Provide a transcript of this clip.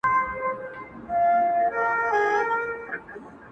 په تلاښ د وظیفې سوه د خپل ځانه,